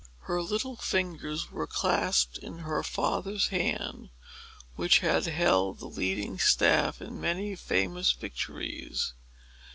Her little fingers were clasped in her father's hand, which had held the leading staff in many famous victories.